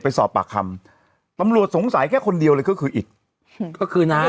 ไปสอบปากคำตำรวจสงสัยแค่คนเดียวเลยก็คืออีกก็คือน้า